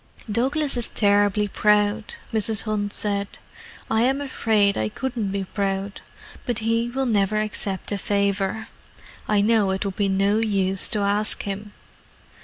"Douglas is terribly proud," Mrs. Hunt said. "I am afraid I couldn't be proud. But he will never accept a favour. I know it would be no use to ask him."